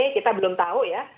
kita belum tahu ya